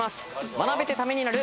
学べてためになる。